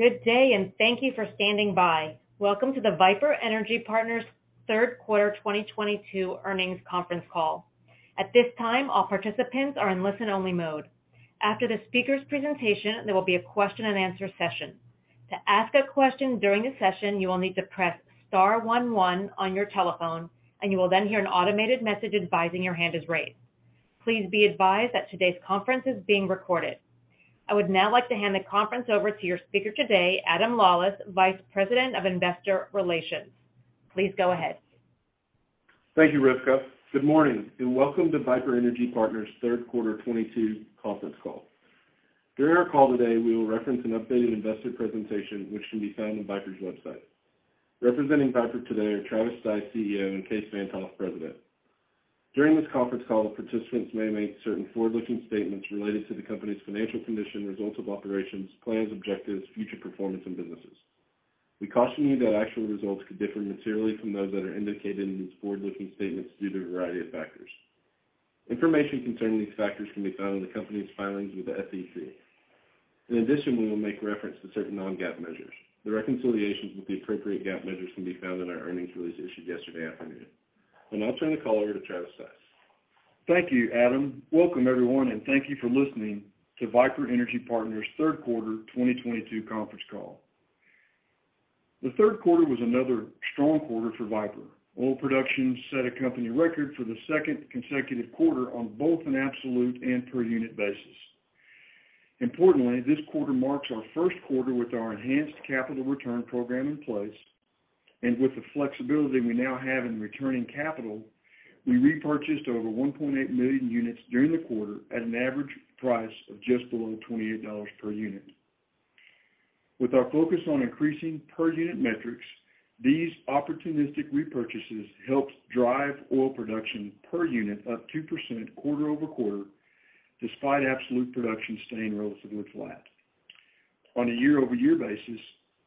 Good day. Thank you for standing by. Welcome to the Viper Energy Partners third quarter 2022 earnings conference call. At this time, all participants are in listen-only mode. After the speaker's presentation, there will be a question and answer session. To ask a question during the session, you will need to press star 11 on your telephone. You will then hear an automated message advising your hand is raised. Please be advised that today's conference is being recorded. I would now like to hand the conference over to your speaker today, Adam Lawlis, Vice President of Investor Relations. Please go ahead. Thank you, Rivka. Good morning. Welcome to Viper Energy Partners' third quarter 2022 conference call. During our call today, we will reference an updated investor presentation, which can be found on Viper's website. Representing Viper today are Travis Stice, CEO, and Kaes Van't Hof, President. During this conference call, participants may make certain forward-looking statements related to the company's financial condition, results of operations, plans, objectives, future performance, and businesses. We caution you that actual results could differ materially from those that are indicated in these forward-looking statements due to a variety of factors. Information concerning these factors can be found in the company's filings with the SEC. In addition, we will make reference to certain non-GAAP measures. The reconciliations with the appropriate GAAP measures can be found in our earnings release issued yesterday afternoon. I'll now turn the call over to Travis Stice. Thank you, Adam. Welcome everyone. Thank you for listening to Viper Energy Partners' third quarter 2022 conference call. The third quarter was another strong quarter for Viper. Oil production set a company record for the second consecutive quarter on both an absolute and per unit basis. Importantly, this quarter marks our first quarter with our enhanced capital return program in place. With the flexibility we now have in returning capital, we repurchased over 1.8 million units during the quarter at an average price of just below $28 per unit. With our focus on increasing per unit metrics, these opportunistic repurchases helped drive oil production per unit up 2% quarter-over-quarter, despite absolute production staying relatively flat. On a year-over-year basis,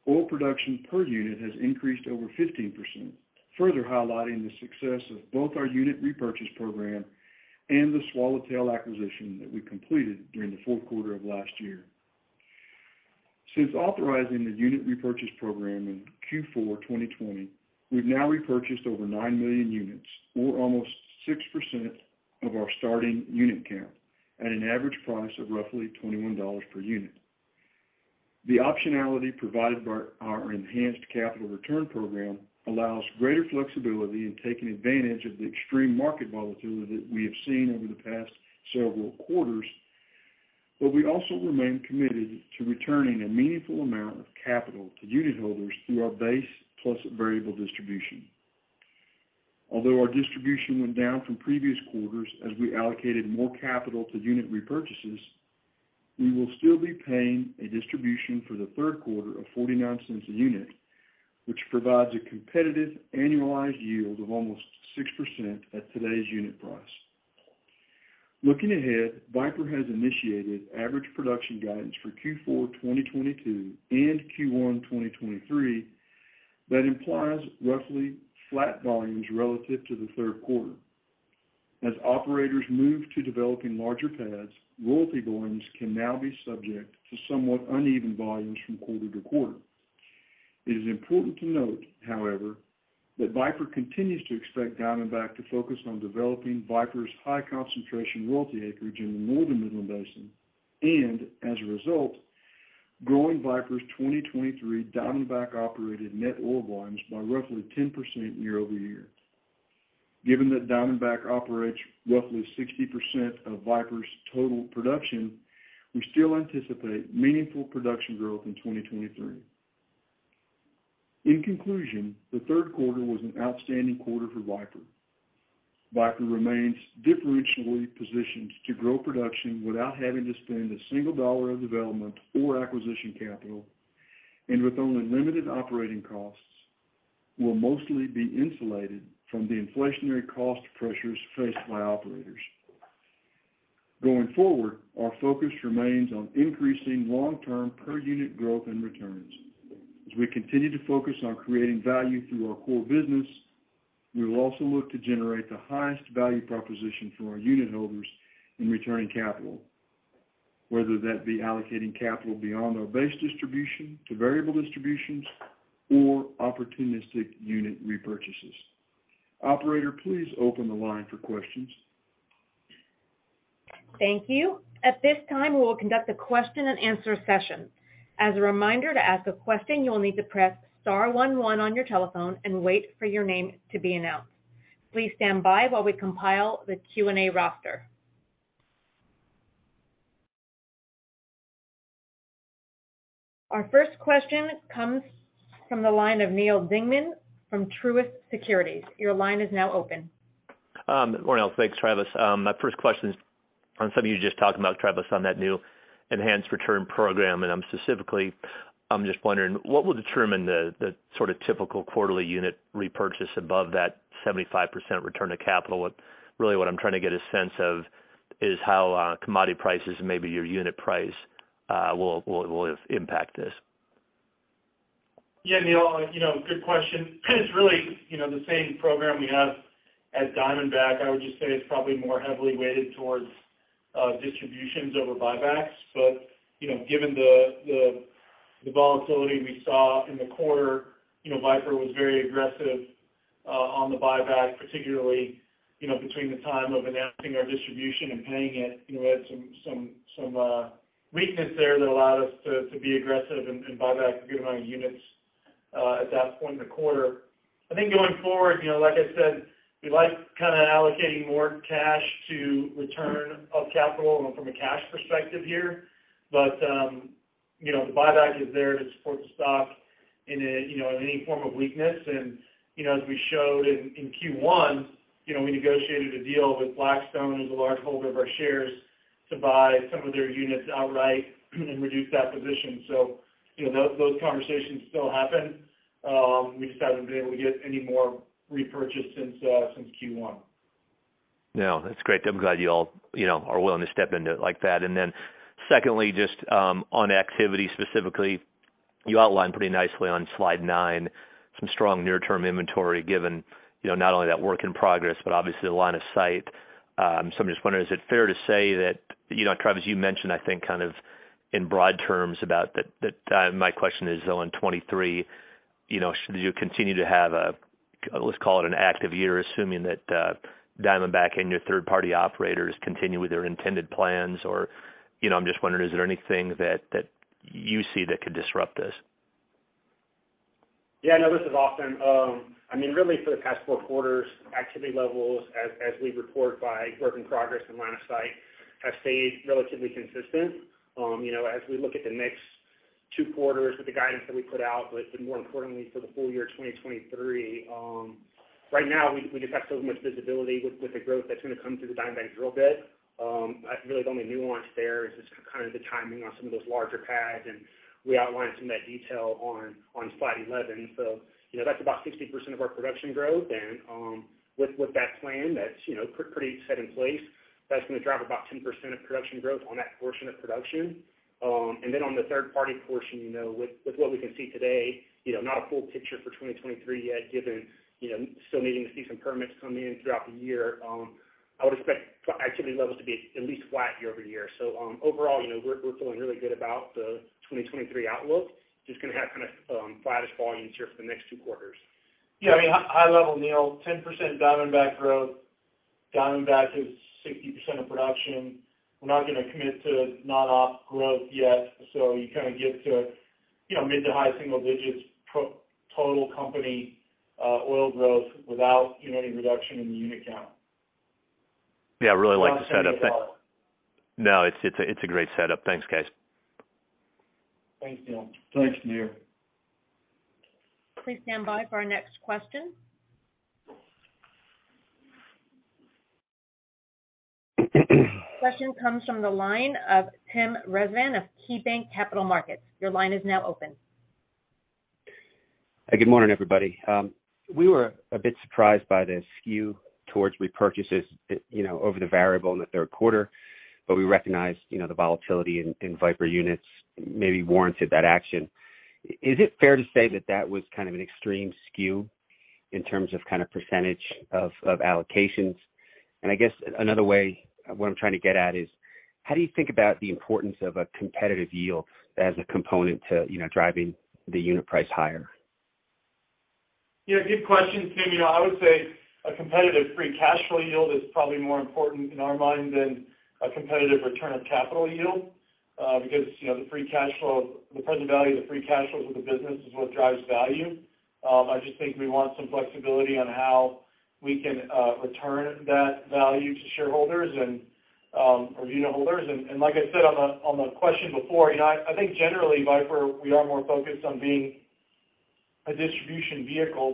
oil production per unit has increased over 15%, further highlighting the success of both our unit repurchase program and the Swallowtail acquisition that we completed during the fourth quarter of last year. Since authorizing the unit repurchase program in Q4 2020, we've now repurchased over 9 million units or almost 6% of our starting unit count at an average price of roughly $21 per unit. The optionality provided by our enhanced capital return program allows greater flexibility in taking advantage of the extreme market volatility that we have seen over the past several quarters. We also remain committed to returning a meaningful amount of capital to unit holders through our base plus variable distribution. Although our distribution went down from previous quarters as we allocated more capital to unit repurchases, we will still be paying a distribution for the third quarter of $0.49 a unit, which provides a competitive annualized yield of almost 6% at today's unit price. Looking ahead, Viper has initiated average production guidance for Q4 2022 and Q1 2023 that implies roughly flat volumes relative to the third quarter. As operators move to developing larger pads, royalty volumes can now be subject to somewhat uneven volumes from quarter to quarter. It is important to note, however, that Viper continues to expect Diamondback to focus on developing Viper's high concentration royalty acreage in the northern Midland Basin, and as a result, growing Viper's 2023 Diamondback operated net oil volumes by roughly 10% year-over-year. Given that Diamondback operates roughly 60% of Viper's total production, we still anticipate meaningful production growth in 2023. In conclusion, the third quarter was an outstanding quarter for Viper. Viper remains differentially positioned to grow production without having to spend a single dollar of development or acquisition capital, and with only limited operating costs, will mostly be insulated from the inflationary cost pressures faced by operators. Going forward, our focus remains on increasing long-term per unit growth and returns. As we continue to focus on creating value through our core business, we will also look to generate the highest value proposition for our unit holders in returning capital, whether that be allocating capital beyond our base distribution to variable distributions or opportunistic unit repurchases. Operator, please open the line for questions. Thank you. At this time, we will conduct a question and answer session. As a reminder, to ask a question you will need to press star 11 on your telephone and wait for your name to be announced. Please stand by while we compile the Q&A roster. Our first question comes from the line of Neal Dingmann from Truist Securities. Your line is now open. Morning all. Thanks, Travis. My first question is on something you just talked about, Travis, on that new enhanced return program, and specifically, I'm just wondering, what will determine the sort of typical quarterly unit repurchase above that 75% return of capital? Really, what I'm trying to get a sense of is how commodity prices and maybe your unit price will impact this. Yeah, Neal, good question. It's really the same program we have at Diamondback. I would just say it's probably more heavily weighted towards distributions over buybacks. Given the volatility we saw in the quarter, Viper was very aggressive on the buyback, particularly between the time of announcing our distribution and paying it. We had some weakness there that allowed us to be aggressive and buy back a good amount of units at that point in the quarter. I think, going forward, like I said, we like allocating more cash to return of capital from a cash perspective here. The buyback is there to support the stock in any form of weakness. As we showed in Q1, we negotiated a deal with Blackstone, who's a large holder of our shares, to buy some of their units outright and reduce that position. Those conversations still happen. We just haven't been able to get any more repurchased since Q1. No, that's great. I'm glad you all are willing to step into it like that. Then secondly, just on activity specifically, you outlined pretty nicely on slide nine some strong near-term inventory given not only that work in progress, but obviously the line of sight. I'm just wondering, is it fair to say that, Travis, you mentioned, I think, in broad terms about that my question is though in 2023, should you continue to have a, let's call it an active year, assuming that Diamondback and your third-party operators continue with their intended plans or I'm just wondering, is there anything that you see that could disrupt this? Yeah, no, this is Austen. Really for the past four quarters, activity levels, as we report by work in progress and line of sight, have stayed relatively consistent. We look at the next two quarters with the guidance that we put out, but more importantly, for the full year 2023. Right now, we just have so much visibility with the growth that's going to come through the Diamondback drill bit. That's really the only nuance there is just the timing on some of those larger pads, and we outlined some of that detail on slide 11. That's about 60% of our production growth, and with that plan, that's pretty set in place. That's going to drive about 10% of production growth on that portion of production. On the third-party portion, with what we can see today, not a full picture for 2023 yet given still needing to see some permits come in throughout the year. I would expect activity levels to be at least flat year-over-year. Overall, we're feeling really good about the 2023 outlook, just going to have flattest volumes here for the next two quarters. Yeah, high level, Neal, 10% Diamondback growth. Diamondback is 60% of production. We're not going to commit to non-op growth yet. You get to mid to high single digits total company oil growth without any reduction in the unit count. Yeah, I really like the setup. No, it's a great setup. Thanks, guys. Thanks, Neal. Thanks, Neal. Please stand by for our next question. Question comes from the line of Tim Rezvan of KeyBanc Capital Markets. Your line is now open. Good morning, everybody. We were a bit surprised by the skew towards repurchases over the variable in the third quarter, but we recognize the volatility in Viper units maybe warranted that action. Is it fair to say that that was an extreme skew in terms of percentage of allocations? I guess another way, what I'm trying to get at is how do you think about the importance of a competitive yield as a component to driving the unit price higher? Yeah, good question, Tim. I would say a competitive free cash flow yield is probably more important in our mind than a competitive return of capital yield. The present value of the free cash flows of the business is what drives value. I just think we want some flexibility on how we can return that value to shareholders or unitholders. Like I said on the question before, I think generally Viper, we are more focused on being a distribution vehicle.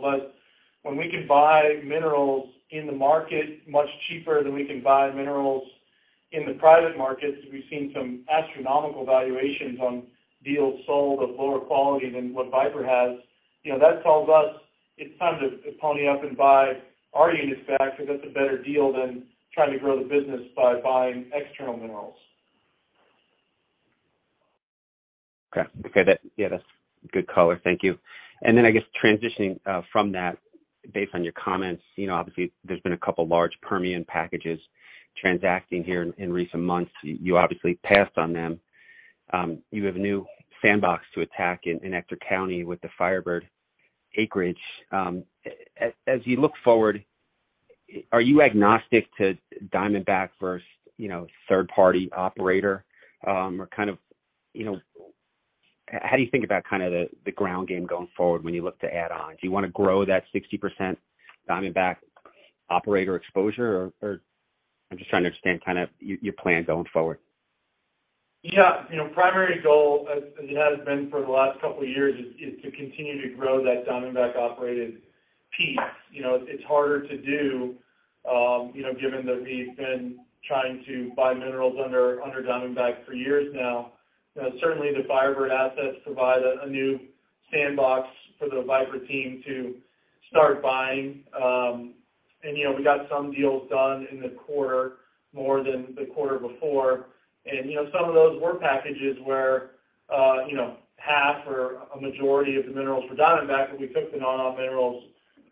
When we can buy minerals in the market much cheaper than we can buy minerals in the private markets, we've seen some astronomical valuations on deals sold of lower quality than what Viper has. That tells us it's time to pony up and buy our units back because that's a better deal than trying to grow the business by buying external minerals. Okay. That's good color. Thank you. I guess transitioning from that, based on your comments, obviously there's been a couple large Permian packages transacting here in recent months. You obviously passed on them. You have a new sandbox to attack in Ector County with the FireBird acreage. As you look forward, are you agnostic to Diamondback versus third-party operator? Or how do you think about the ground game going forward when you look to add on? Do you want to grow that 60% Diamondback operator exposure? Or I'm just trying to understand your plan going forward. Yeah. Primary goal, as it has been for the last couple of years, is to continue to grow that Diamondback-operated piece. It's harder to do given that we've been trying to buy minerals under Diamondback for years now. Certainly, the FireBird assets provide a new sandbox for the Viper team to start buying. We got some deals done in the quarter, more than the quarter before. Some of those were packages where half or a majority of the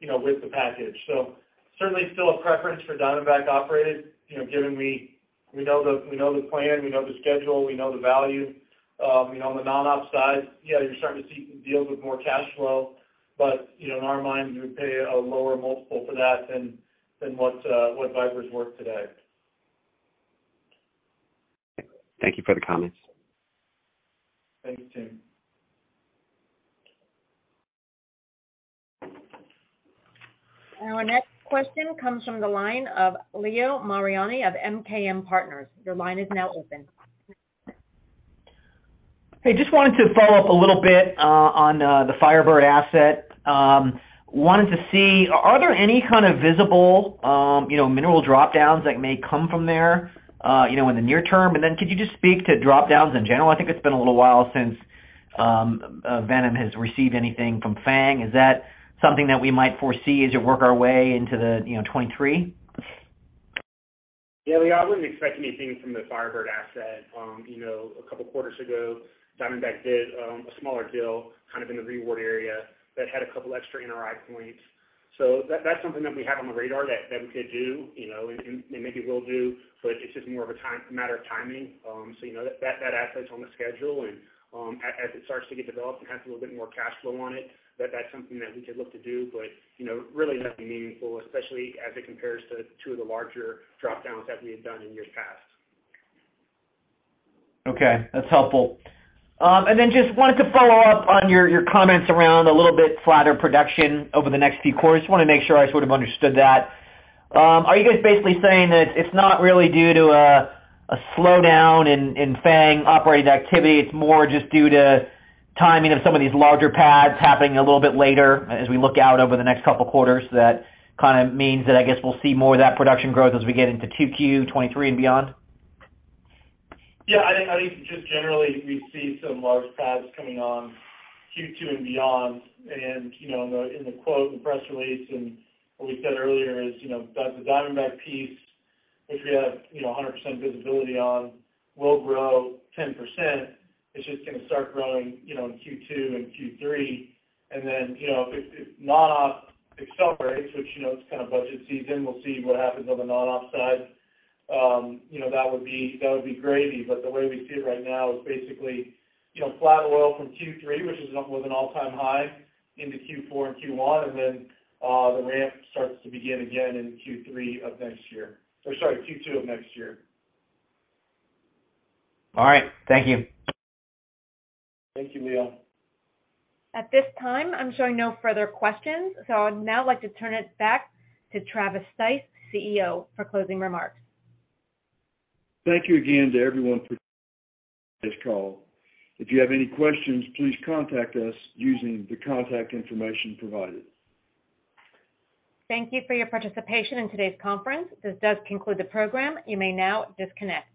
minerals were Diamondback, but we took the non-op minerals with the package. Certainly still a preference for Diamondback operated, given we know the plan, we know the schedule, we know the value. On the non-op side, you're starting to see deals with more cash flow, but in our minds, we would pay a lower multiple for that than what Viper's worth today. Thank you for the comments. Thanks, Tim. Our next question comes from the line of Leo Mariani of MKM Partners. Your line is now open. Hey, just wanted to follow up a little bit on the FireBird asset. Wanted to see, are there any kind of visible mineral drop-downs that may come from there in the near term? Could you just speak to drop-downs in general? I think it's been a little while since Viper has received anything from Fang. Is that something that we might foresee as you work our way into 2023? Yeah, Leo, I wouldn't expect anything from the FireBird asset. A couple of quarters ago, Diamondback did a smaller deal kind of in the Howard County area that had a couple extra NRI points. That's something that we have on the radar that we could do, and maybe will do, but it's just more of a matter of timing. That asset's on the schedule and as it starts to get developed and has a little bit more cash flow on it, that's something that we could look to do, but really nothing meaningful, especially as it compares to the larger drop-downs that we had done in years past. Okay, that's helpful. Just wanted to follow up on your comments around a little bit flatter production over the next few quarters. Want to make sure I sort of understood that. Are you guys basically saying that it's not really due to a slowdown in Fang operating activity, it's more just due to timing of some of these larger pads happening a little bit later as we look out over the next couple quarters, that kind of means that I guess we'll see more of that production growth as we get into 2Q 2023 and beyond? Yeah, I think just generally, we see some large pads coming on Q2 and beyond. In the quote in the press release and what we said earlier is that the Diamondback piece, which we have 100% visibility on, will grow 10%. It's just going to start growing in Q2 and Q3. If non-op accelerates, which it's kind of budget season, we'll see what happens on the non-op side. That would be gravy. The way we see it right now is basically flat oil from Q3, which is up with an all-time high into Q4 and Q1, and then the ramp starts to begin again in Q3 of next year, or, sorry, Q2 of next year. All right. Thank you. Thank you, Leo. At this time, I'm showing no further questions. I would now like to turn it back to Travis Stice, CEO, for closing remarks. Thank you again to everyone for this call. If you have any questions, please contact us using the contact information provided. Thank you for your participation in today's conference. This does conclude the program. You may now disconnect.